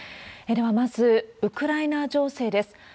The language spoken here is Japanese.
ではまず、ウクライナ情勢です。